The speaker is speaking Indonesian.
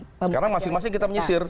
sekarang masing masing kita menyisir